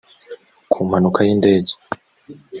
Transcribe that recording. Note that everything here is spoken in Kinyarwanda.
ku mpanuka y indege